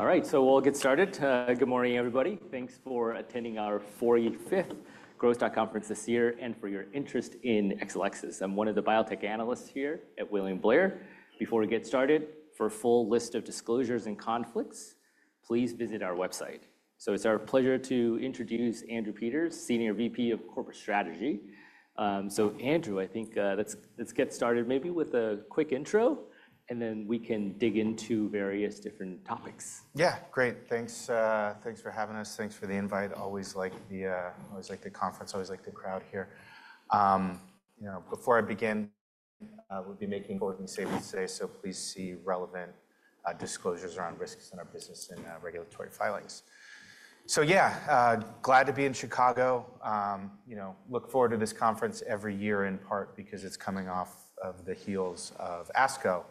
All right, so we'll get started. Good morning, everybody. Thanks for attending our 45th Growth Dot Conference this year and for your interest in Exelixis. I'm one of the biotech analysts here at William Blair. Before we get started, for a full list of disclosures and conflicts, please visit our website. It's our pleasure to introduce Andrew Peters, Senior VP of Corporate Strategy. Andrew, I think let's get started maybe with a quick intro, and then we can dig into various different topics. Yeah, great. Thanks for having us. Thanks for the invite. Always like the conference, always like the crowd here. Before I begin, we'll be making board meetings every day, so please see relevant disclosures around risks in our business and regulatory filings. Yeah, glad to be in Chicago. Look forward to this conference every year in part because it's coming off of the heels of ASCO.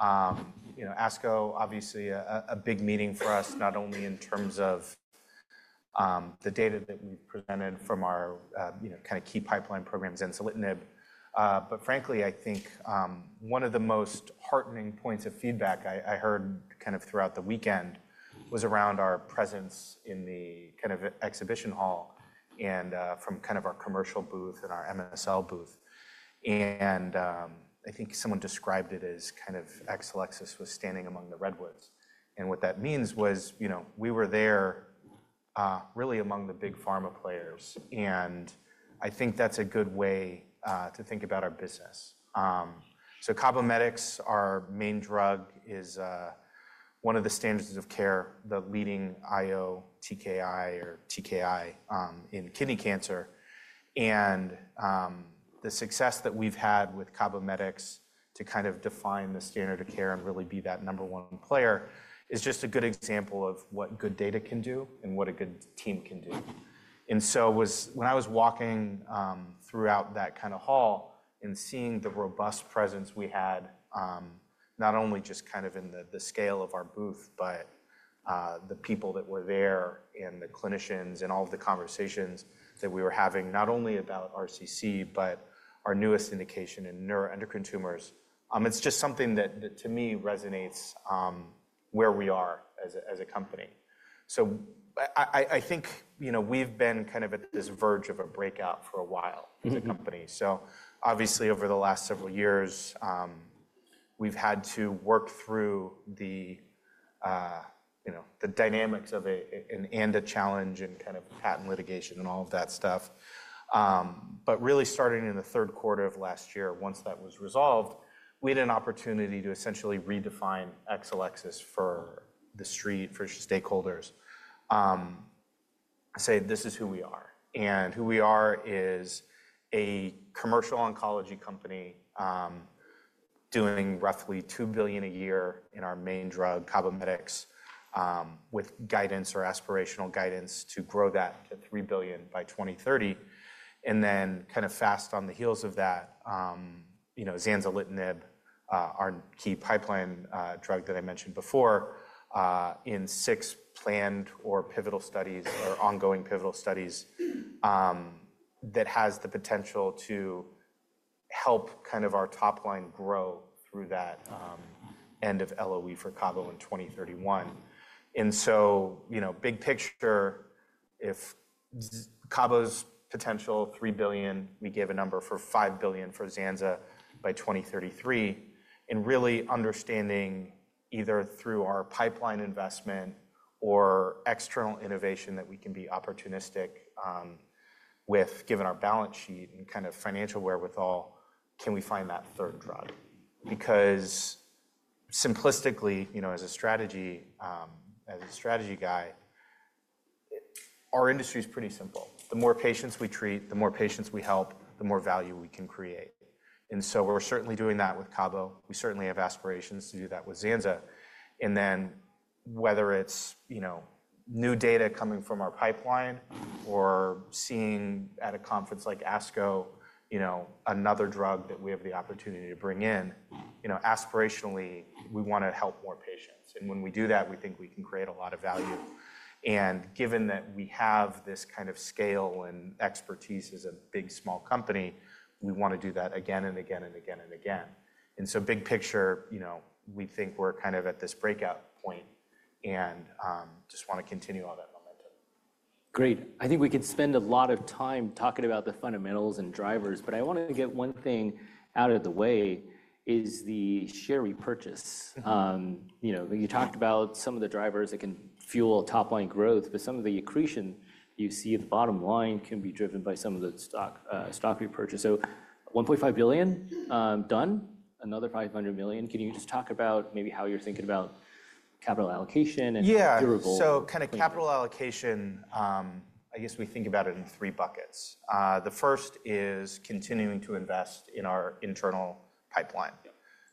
ASCO, obviously a big meeting for us, not only in terms of the data that we presented from our kind of key pipeline programs and select NIB. Frankly, I think one of the most heartening points of feedback I heard kind of throughout the weekend was around our presence in the kind of exhibition hall and from kind of our commercial booth and our MSL booth. I think someone described it as kind of Exelixis was standing among the redwoods. What that means was we were there really among the big pharma players. I think that's a good way to think about our business. Cabometyx, our main drug, is one of the standards of care, the leading IO/TKI or TKI in kidney cancer. The success that we've had with Cabometyx to kind of define the standard of care and really be that number one player is just a good example of what good data can do and what a good team can do. When I was walking throughout that kind of hall and seeing the robust presence we had, not only just kind of in the scale of our booth, but the people that were there and the clinicians and all of the conversations that we were having not only about RCC, but our newest indication in neuroendocrine tumors, it's just something that to me resonates where we are as a company. I think we've been kind of at this verge of a breakout for a while as a company. Obviously over the last several years, we've had to work through the dynamics of it and the challenge and kind of patent litigation and all of that stuff. Really starting in the third quarter of last year, once that was resolved, we had an opportunity to essentially redefine Exelixis for the street, for stakeholders. I say this is who we are. Who we are is a commercial oncology company doing roughly $2 billion a year in our main drug, Cabometyx, with guidance or aspirational guidance to grow that to $3 billion by 2030. Fast on the heels of that, Zanzalintinib, our key pipeline drug that I mentioned before, in six planned or pivotal studies or ongoing pivotal studies that has the potential to help our top line grow through that end of LOE for Cabo in 2031. Big picture, if Cabo's potential $3 billion, we gave a number for $5 billion for Zanza by 2033, and really understanding either through our pipeline investment or external innovation that we can be opportunistic with, given our balance sheet and financial wherewithal, can we find that third drug? Because simplistically, as a strategy guy, our industry is pretty simple. The more patients we treat, the more patients we help, the more value we can create. We are certainly doing that with Cabo. We certainly have aspirations to do that with Zanza. Whether it is new data coming from our pipeline or seeing at a conference like ASCO, another drug that we have the opportunity to bring in, aspirationally, we want to help more patients. When we do that, we think we can create a lot of value. Given that we have this kind of scale and expertise as a big small company, we want to do that again and again and again and again. Big picture, we think we are kind of at this breakout point and just want to continue on that momentum. Great. I think we could spend a lot of time talking about the fundamentals and drivers, but I want to get one thing out of the way is the share repurchase. You talked about some of the drivers that can fuel top line growth, but some of the accretion you see at the bottom line can be driven by some of the stock repurchase. So $1.5 billion done, another $500 million. Can you just talk about maybe how you're thinking about capital allocation and durable? Yeah. So kind of capital allocation, I guess we think about it in three buckets. The first is continuing to invest in our internal pipeline.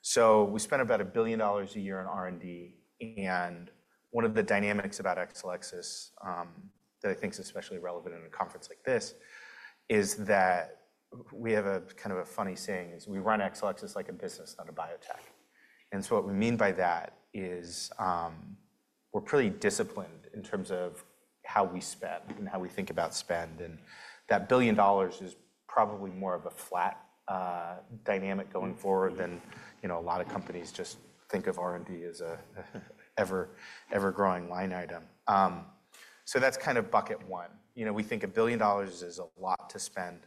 So we spend about $1 billion a year in R&D. And one of the dynamics about Exelixis that I think is especially relevant in a conference like this is that we have a kind of a funny saying is we run Exelixis like a business, not a biotech. And what we mean by that is we're pretty disciplined in terms of how we spend and how we think about spend. And that billion dollars is probably more of a flat dynamic going forward than a lot of companies just think of R&D as an ever-growing line item. So that's kind of bucket one. We think a billion dollars is a lot to spend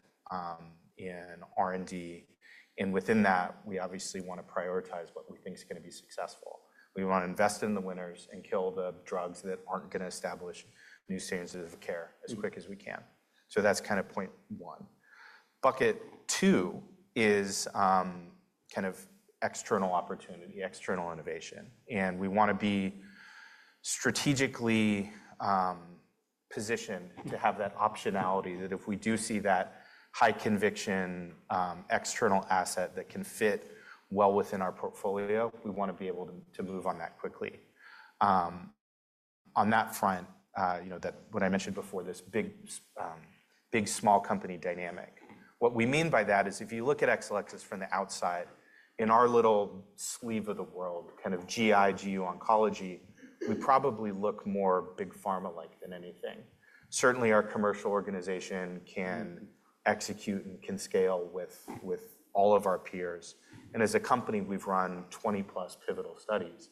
in R&D. Within that, we obviously want to prioritize what we think is going to be successful. We want to invest in the winners and kill the drugs that aren't going to establish new standards of care as quick as we can. That's kind of point one. Bucket two is kind of external opportunity, external innovation. We want to be strategically positioned to have that optionality that if we do see that high conviction external asset that can fit well within our portfolio, we want to be able to move on that quickly. On that front, what I mentioned before, this big small company dynamic. What we mean by that is if you look at Exelixis from the outside, in our little sleeve of the world, kind of GI, GU oncology, we probably look more big pharma-like than anything. Certainly, our commercial organization can execute and can scale with all of our peers. As a company, we've run 20-plus pivotal studies.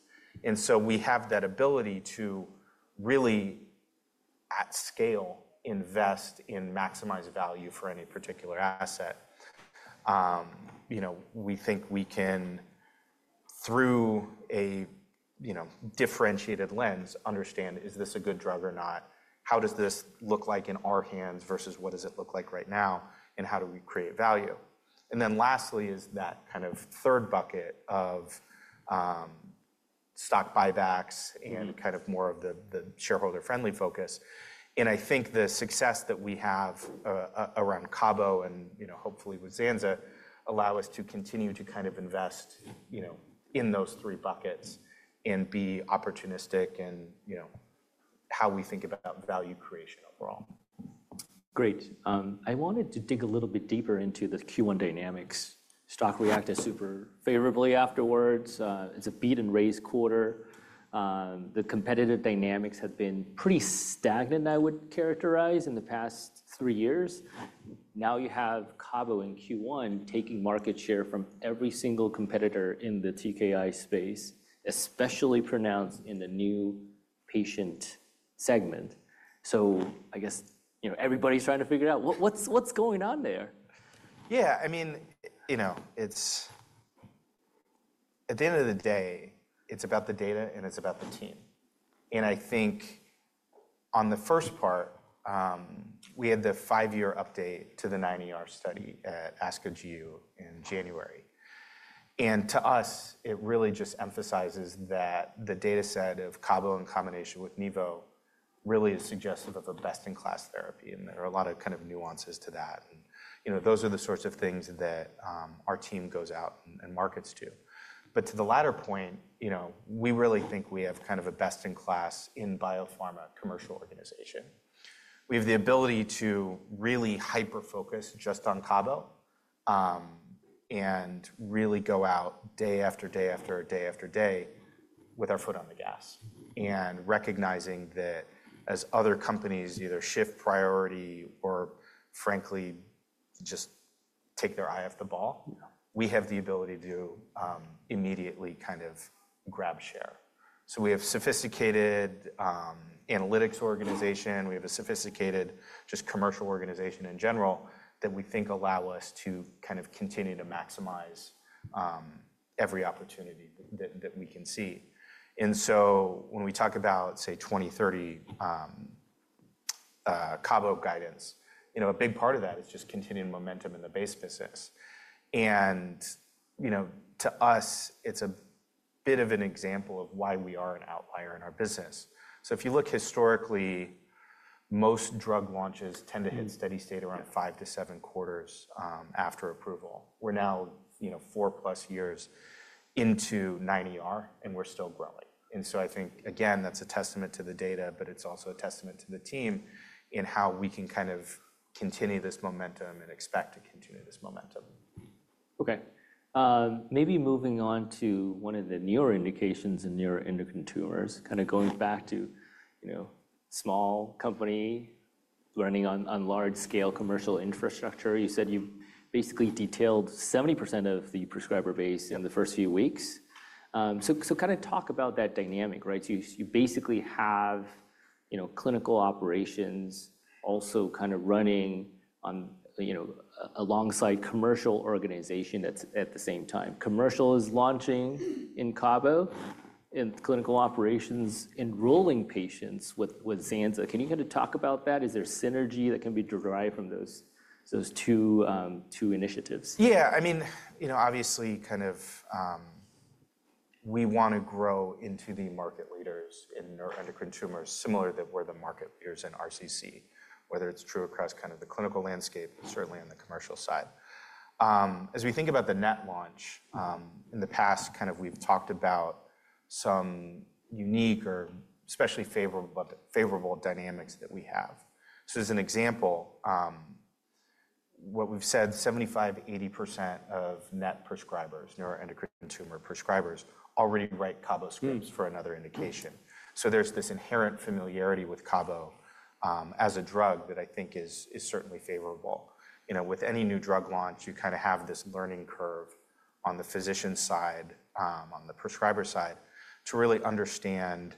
We have that ability to really, at scale, invest and maximize value for any particular asset. We think we can, through a differentiated lens, understand is this a good drug or not? How does this look like in our hands versus what does it look like right now? How do we create value? Lastly, that kind of third bucket of stock buybacks and kind of more of the shareholder-friendly focus. I think the success that we have around Cabo and hopefully with Zanza allow us to continue to kind of invest in those three buckets and be opportunistic in how we think about value creation overall. Great. I wanted to dig a little bit deeper into the Q1 dynamics. Stock reacted super favorably afterwards. It's a beat-and-raise quarter. The competitive dynamics have been pretty stagnant, I would characterize, in the past three years. Now you have Cabo in Q1 taking market share from every single competitor in the TKI space, especially pronounced in the new patient segment. I guess everybody's trying to figure out what's going on there. Yeah. I mean, at the end of the day, it's about the data and it's about the team. I think on the first part, we had the five-year update to the 90-hour study at ASCO GU in January. To us, it really just emphasizes that the data set of Cabo in combination with Nivo really is suggestive of a best-in-class therapy. There are a lot of kind of nuances to that. Those are the sorts of things that our team goes out and markets to. To the latter point, we really think we have kind of a best-in-class in biopharma commercial organization. We have the ability to really hyper-focus just on Cabo and really go out day after day after day after day with our foot on the gas. Recognizing that as other companies either shift priority or frankly just take their eye off the ball, we have the ability to immediately kind of grab share. We have a sophisticated analytics organization. We have a sophisticated just commercial organization in general that we think allow us to kind of continue to maximize every opportunity that we can see. When we talk about, say, 2030 Cabo guidance, a big part of that is just continuing momentum in the base business. To us, it's a bit of an example of why we are an outlier in our business. If you look historically, most drug launches tend to hit steady state around five to seven quarters after approval. We're now 4+ years into 9ER, and we're still growing. I think, again, that's a testament to the data, but it's also a testament to the team in how we can kind of continue this momentum and expect to continue this momentum. Okay. Maybe moving on to one of the newer indications in neuroendocrine tumors, kind of going back to small company running on large-scale commercial infrastructure. You said you basically detailed 70% of the prescriber base in the first few weeks. Kind of talk about that dynamic, right? You basically have clinical operations also kind of running alongside commercial organization at the same time. Commercial is launching in Cabo and clinical operations enrolling patients with Zanza. Can you kind of talk about that? Is there synergy that can be derived from those two initiatives? Yeah. I mean, obviously kind of we want to grow into the market leaders in neuroendocrine tumors similar to where the market leaders in RCC, whether it's true across kind of the clinical landscape, certainly on the commercial side. As we think about the NET launch in the past, kind of we've talked about some unique or especially favorable dynamics that we have. As an example, what we've said, 75%-80% of NET prescribers, neuroendocrine tumor prescribers, already write Cabo scripts for another indication. There's this inherent familiarity with Cabo as a drug that I think is certainly favorable. With any new drug launch, you kind of have this learning curve on the physician side, on the prescriber side to really understand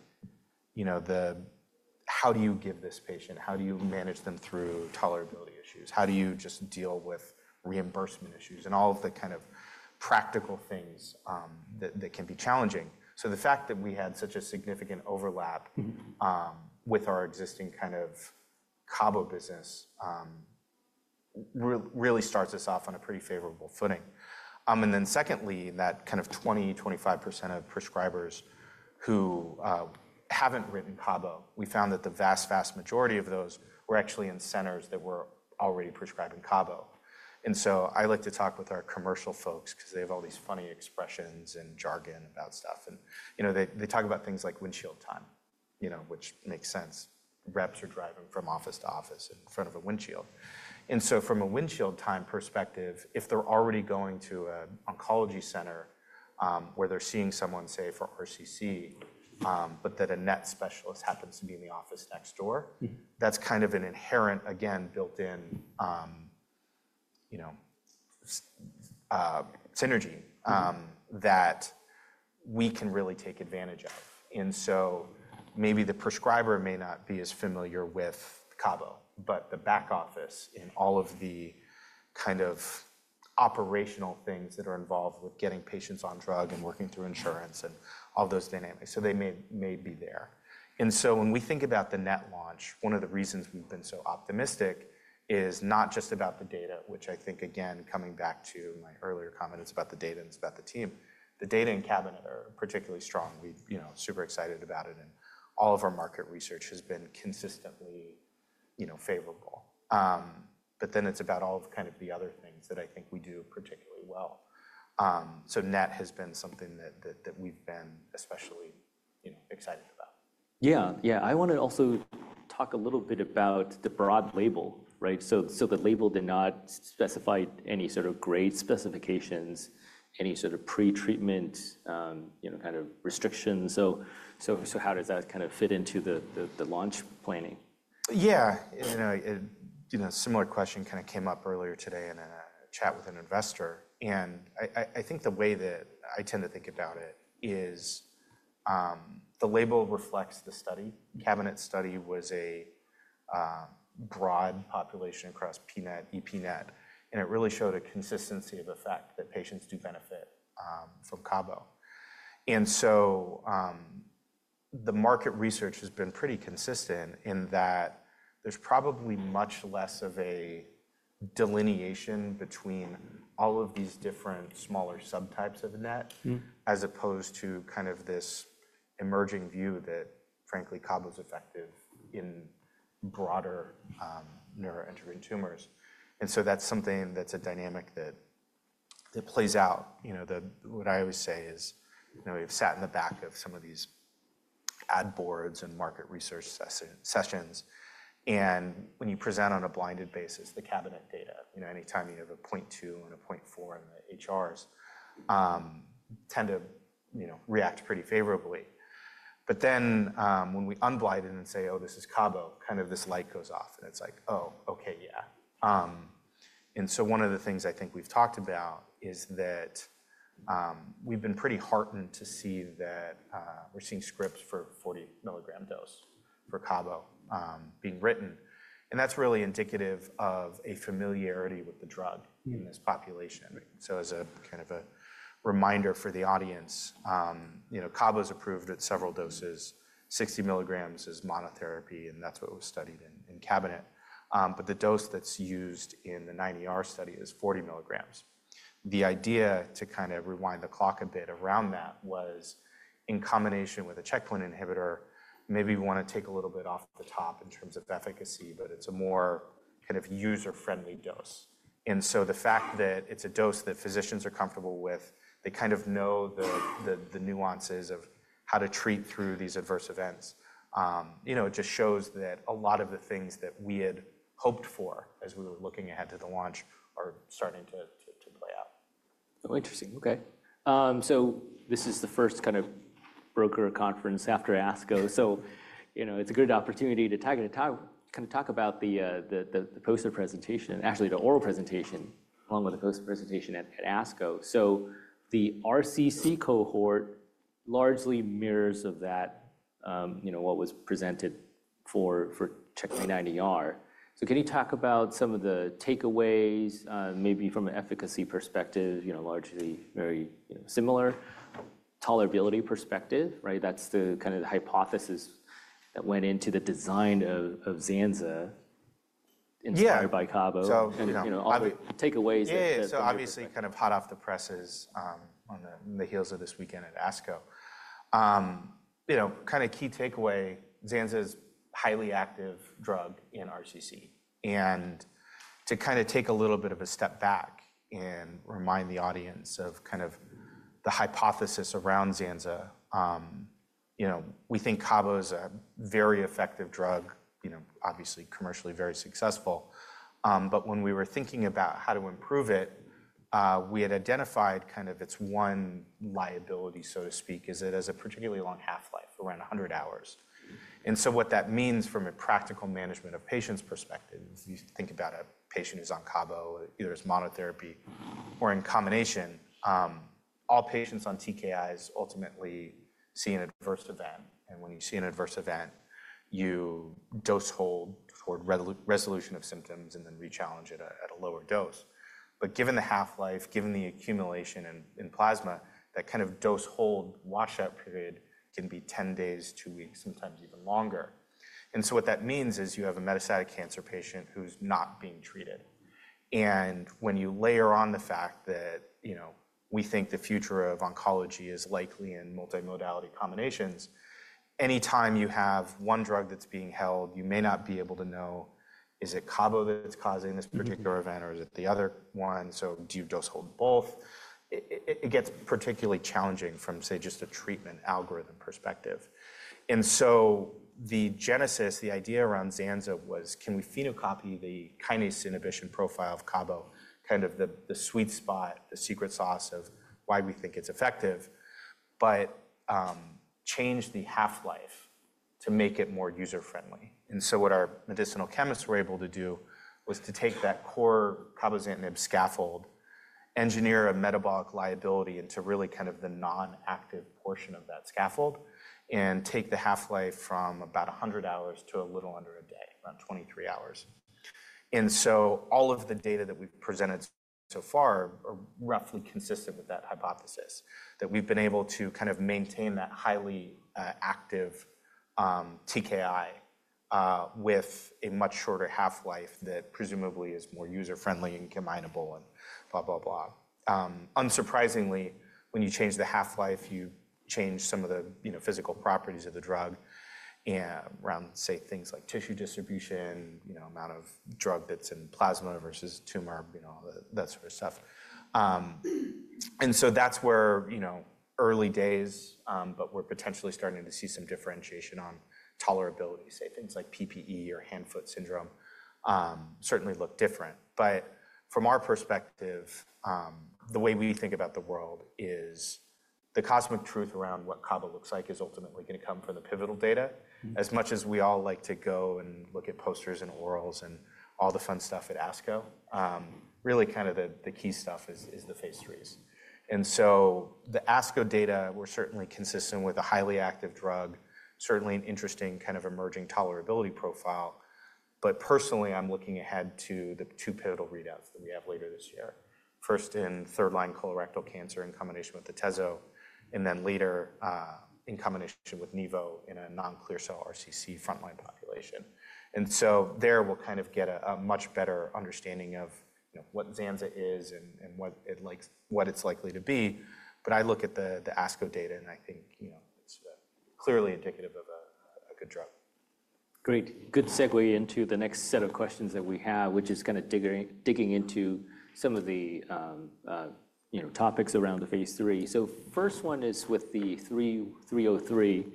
how do you give this patient, how do you manage them through tolerability issues, how do you just deal with reimbursement issues, and all of the kind of practical things that can be challenging. The fact that we had such a significant overlap with our existing kind of Cabo business really starts us off on a pretty favorable footing. Secondly, that kind of 20%-25% of prescribers who haven't written Cabo, we found that the vast, vast majority of those were actually in centers that were already prescribing Cabo. I like to talk with our commercial folks because they have all these funny expressions and jargon about stuff. They talk about things like windshield time, which makes sense. Reps are driving from office to office in front of a windshield. From a windshield time perspective, if they're already going to an oncology center where they're seeing someone, say, for RCC, but a NET specialist happens to be in the office next door, that's kind of an inherent, again, built-in synergy that we can really take advantage of. Maybe the prescriber may not be as familiar with Cabo, but the back office and all of the kind of operational things that are involved with getting patients on drug and working through insurance and all those dynamics. They may be there. When we think about the NET launch, one of the reasons we've been so optimistic is not just about the data, which I think, again, coming back to my earlier comments about the data and about the team, the data in CABINET are particularly strong. We're super excited about it. All of our market research has been consistently favorable. It is about all of the other things that I think we do particularly well. NET has been something that we've been especially excited about. Yeah. Yeah. I want to also talk a little bit about the broad label, right? The label did not specify any sort of grade specifications, any sort of pretreatment kind of restrictions. How does that kind of fit into the launch planning? Yeah. A similar question kind of came up earlier today in a chat with an investor. I think the way that I tend to think about it is the label reflects the study. CABINET study was a broad population across pNET, epNET. It really showed a consistency of effect that patients do benefit from Cabo. The market research has been pretty consistent in that there's probably much less of a delineation between all of these different smaller subtypes of NET as opposed to kind of this emerging view that frankly Cabo is effective in broader neuroendocrine tumors. That's something that's a dynamic that plays out. What I always say is we've sat in the back of some of these ad boards and market research sessions. When you present on a blinded basis, the CABINET data, anytime you have a 0.2 and a 0.4 in the HRs tend to react pretty favorably. Then when we unblind it and say, "Oh, this is Cabo," kind of this light goes off. It's like, "Oh, okay, yeah." One of the things I think we've talked about is that we've been pretty heartened to see that we're seeing scripts for a 40 milligram dose for Cabo being written. That's really indicative of a familiarity with the drug in this population. As a kind of a reminder for the audience, Cabo is approved at several doses. 60 mg is monotherapy, and that's what was studied in CABINET. The dose that's used in the 9ER study is 40 mg. The idea to kind of rewind the clock a bit around that was in combination with a checkpoint inhibitor, maybe we want to take a little bit off the top in terms of efficacy, but it's a more kind of user-friendly dose. The fact that it's a dose that physicians are comfortable with, they kind of know the nuances of how to treat through these adverse events, it just shows that a lot of the things that we had hoped for as we were looking ahead to the launch are starting to play out. Oh, interesting. Okay. This is the first kind of broker conference after ASCO. It is a good opportunity to kind of talk about the poster presentation, actually the oral presentation along with the poster presentation at ASCO. The RCC cohort largely mirrors that of what was presented for CheckMate-9ER. Can you talk about some of the takeaways maybe from an efficacy perspective, largely very similar tolerability perspective, right? That is the kind of hypothesis that went into the design of Zanzalintinib inspired by Cabometyx. Yeah. Obviously kind of hot off the presses on the heels of this weekend at ASCO. Kind of key takeaway, Zanza is a highly active drug in RCC. To kind of take a little bit of a step back and remind the audience of kind of the hypothesis around Zanza, we think Cabo is a very effective drug, obviously commercially very successful. When we were thinking about how to improve it, we had identified kind of its one liability, so to speak, is it has a particularly long half-life, around 100 hours. What that means from a practical management of patients' perspective is you think about a patient who's on Cabo, either as monotherapy or in combination, all patients on TKIs ultimately see an adverse event. When you see an adverse event, you dose hold for resolution of symptoms and then rechallenge it at a lower dose. Given the half-life, given the accumulation in plasma, that kind of dose hold washout period can be 10 days, two weeks, sometimes even longer. What that means is you have a metastatic cancer patient who's not being treated. When you layer on the fact that we think the future of oncology is likely in multimodality combinations, anytime you have one drug that's being held, you may not be able to know, is it Cabo that's causing this particular event, or is it the other one? Do you dose hold both? It gets particularly challenging from, say, just a treatment algorithm perspective. The genesis, the idea around Zanza was, can we phenocopy the kinase inhibition profile of Cabo, kind of the sweet spot, the secret sauce of why we think it's effective, but change the half-life to make it more user-friendly? What our medicinal chemists were able to do was to take that core cabozantinib scaffold, engineer a metabolic liability into really kind of the non-active portion of that scaffold, and take the half-life from about 100 hours to a little under a day, around 23 hours. All of the data that we've presented so far are roughly consistent with that hypothesis, that we've been able to kind of maintain that highly active TKI with a much shorter half-life that presumably is more user-friendly and combinable and blah, blah, blah. Unsurprisingly, when you change the half-life, you change some of the physical properties of the drug around, say, things like tissue distribution, amount of drug that's in plasma versus tumor, that sort of stuff. That is where early days, but we're potentially starting to see some differentiation on tolerability, say, things like PPE or hand-foot syndrome certainly look different. From our perspective, the way we think about the world is the cosmic truth around what Cabo looks like is ultimately going to come from the pivotal data. As much as we all like to go and look at posters and orals and all the fun stuff at ASCO, really kind of the key stuff is the phase III's. The ASCO data were certainly consistent with a highly active drug, certainly an interesting kind of emerging tolerability profile. Personally, I'm looking ahead to the two pivotal readouts that we have later this year, first in third-line colorectal cancer in combination with Atezo, and then later in combination with Nivo in a non-clear cell RCC frontline population. There we'll kind of get a much better understanding of what Zanza is and what it's likely to be. I look at the ASCO data, and I think it's clearly indicative of a good drug. Great. Good segue into the next set of questions that we have, which is kind of digging into some of the topics around the phase III. First one is with the 303.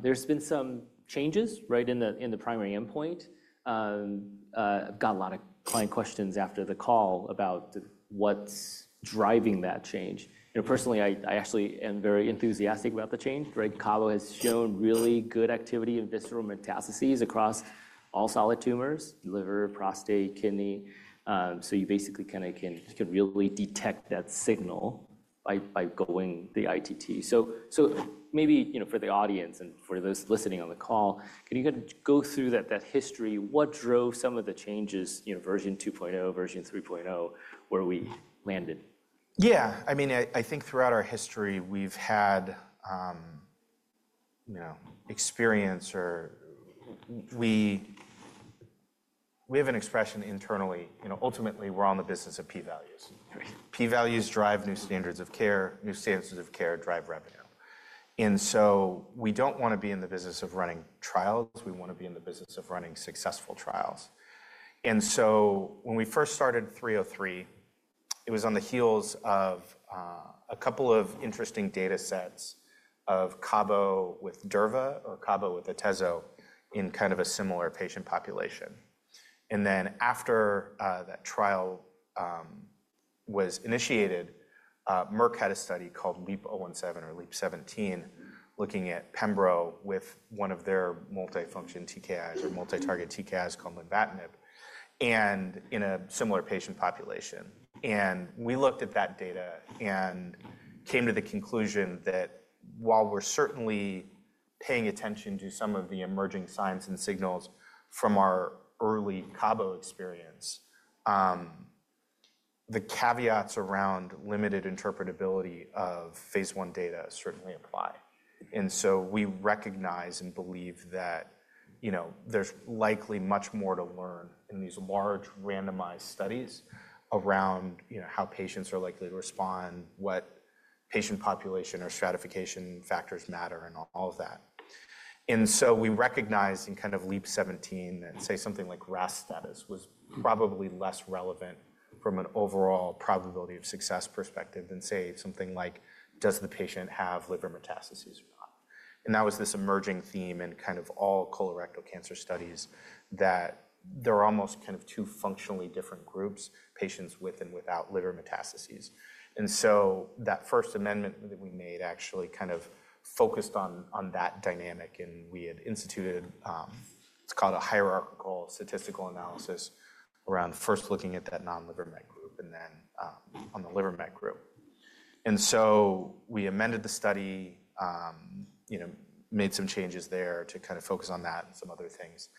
There's been some changes, right, in the primary endpoint. I've got a lot of client questions after the call about what's driving that change. Personally, I actually am very enthusiastic about the change, right? Cabo has shown really good activity in visceral metastases across all solid tumors, liver, prostate, kidney. You basically kind of can really detect that signal by going the ITT. Maybe for the audience and for those listening on the call, can you kind of go through that history? What drove some of the changes, version 2.0, version 3.0, where we landed? Yeah. I mean, I think throughout our history, we've had experience or we have an expression internally, ultimately, we're in the business of p-values. P-values drive new standards of care. New standards of care drive revenue. We don't want to be in the business of running trials. We want to be in the business of running successful trials. When we first started 303, it was on the heels of a couple of interesting data sets of cabo with durva or cabo with atezo in kind of a similar patient population. After that trial was initiated, Merck had a study called LEAP-017 or LEAP-017, looking at pembro with one of their multi-target TKIs called lenvatinib in a similar patient population. We looked at that data and came to the conclusion that while we're certainly paying attention to some of the emerging signs and signals from our early Cabo experience, the caveats around limited interpretability of phase one data certainly apply. We recognize and believe that there's likely much more to learn in these large randomized studies around how patients are likely to respond, what patient population or stratification factors matter, and all of that. We recognized in kind of LEAP-017 that, say, something like RAS status was probably less relevant from an overall probability of success perspective than, say, something like, does the patient have liver metastases or not? That was this emerging theme in kind of all colorectal cancer studies that there are almost kind of two functionally different groups, patients with and without liver metastases. That first amendment that we made actually kind of focused on that dynamic. We had instituted, it's called a hierarchical statistical analysis around first looking at that non-liver met group and then on the liver met group. We amended the study, made some changes there to kind of focus on that and some other things.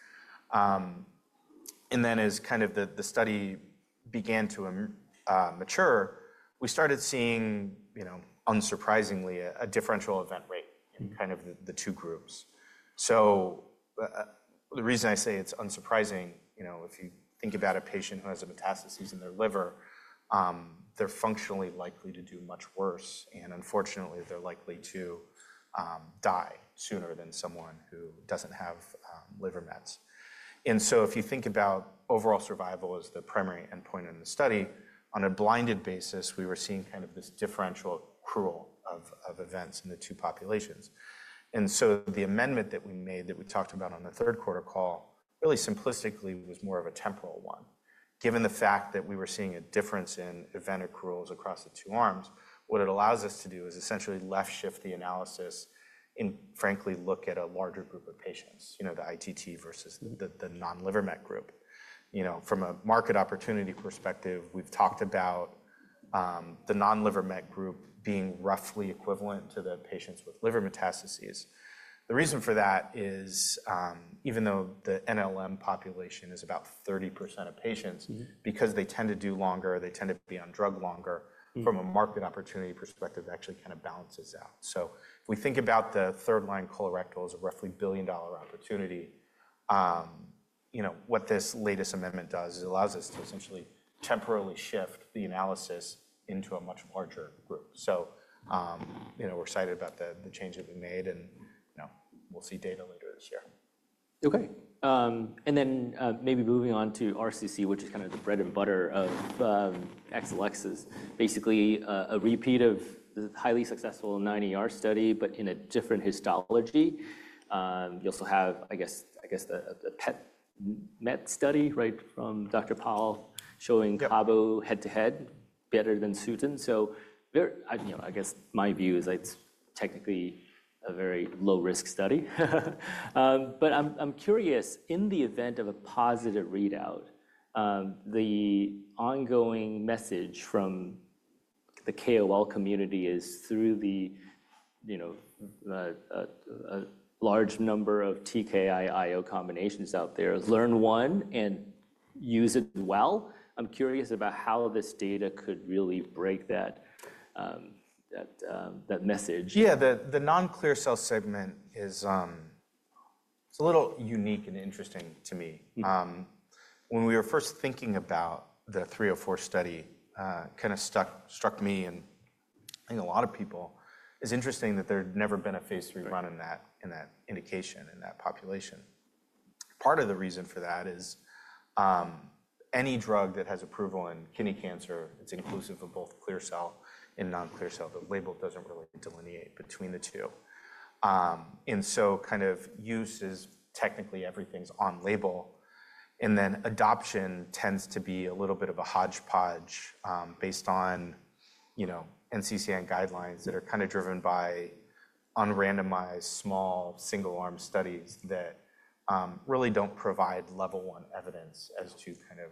As kind of the study began to mature, we started seeing, unsurprisingly, a differential event rate in kind of the two groups. The reason I say it's unsurprising, if you think about a patient who has a metastasis in their liver, they're functionally likely to do much worse. Unfortunately, they're likely to die sooner than someone who doesn't have liver mets. If you think about overall survival as the primary endpoint in the study, on a blinded basis, we were seeing kind of this differential accrual of events in the two populations. The amendment that we made that we talked about on the third quarter call, really simplistically, was more of a temporal one. Given the fact that we were seeing a difference in event accruals across the two arms, what it allows us to do is essentially left-shift the analysis and frankly look at a larger group of patients, the ITT versus the non-liver met group. From a market opportunity perspective, we've talked about the non-liver met group being roughly equivalent to the patients with liver metastases. The reason for that is even though the NLM population is about 30% of patients, because they tend to do longer, they tend to be on drug longer, from a market opportunity perspective, it actually kind of balances out. If we think about the third-line colorectal as a roughly $1 billion opportunity, what this latest amendment does is it allows us to essentially temporarily shift the analysis into a much larger group. We are excited about the change that we made, and we'll see data later this year. Okay. And then maybe moving on to RCC, which is kind of the bread and butter of Exelixis, basically a repeat of the highly successful 9ER study, but in a different histology. You also have, I guess, the pet met study, right, from Dr. Powell showing Cabo head-to-head better than sunitinib. I guess my view is it's technically a very low-risk study. I'm curious, in the event of a positive readout, the ongoing message from the KOL community is through the large number of TKI IO combinations out there, learn one and use it well. I'm curious about how this data could really break that message. Yeah. The non-clear cell segment is a little unique and interesting to me. When we were first thinking about the 304 study, kind of struck m,e and I think a lot of people, it's interesting that there had never been a phase III run in that indication in that population. Part of the reason for that is any drug that has approval in kidney cancer, it's inclusive of both clear cell and non-clear cell. The label doesn't really delineate between the two. Kind of use is technically everything's on label. Adoption tends to be a little bit of a hodgepodge based on NCCN guidelines that are kind of driven by unrandomized small single-arm studies that really don't provide level one evidence as to kind of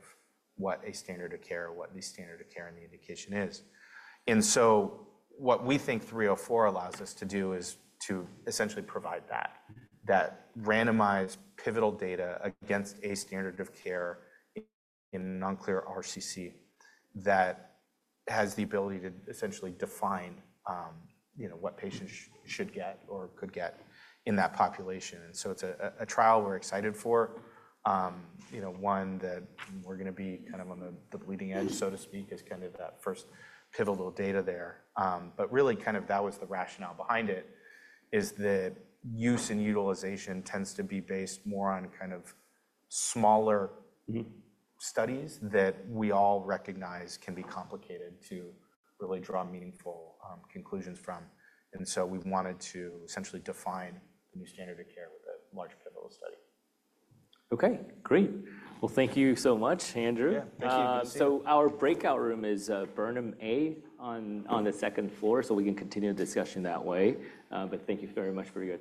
what a standard of care, what the standard of care and the indication is. What we think 304 allows us to do is to essentially provide that randomized pivotal data against a standard of care in non-clear cell RCC that has the ability to essentially define what patients should get or could get in that population. It is a trial we're excited for, one that we're going to be kind of on the bleeding edge, so to speak, is kind of that first pivotal data there. Really, that was the rationale behind it, the use and utilization tends to be based more on kind of smaller studies that we all recognize can be complicated to really draw meaningful conclusions from. We wanted to essentially define the new standard of care with a large pivotal study. Okay. Great. Thank you so much, Andrew. Yeah. Thank you. Our breakout room is Burnham A on the second floor, so we can continue the discussion that way. Thank you very much for your.